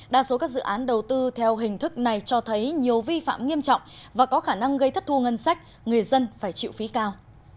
đa số các dự án đầu tư theo hình thức này cho thấy nhiều vi phạm nghiêm trọng và có khả năng gây thất thu ngân sách người dân phải chịu phí cao